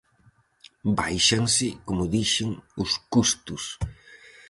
Báixanse, como dixen, os custos.